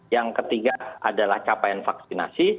yang ketiga adalah capaian vaksinasi